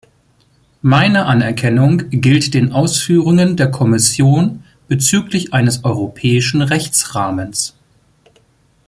Meine Anerkennung gilt den Ausführungen der Kommission bezüglich eines europäischen Rechtsrahmens.